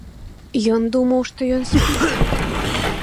Ён думаў, што ён спіць.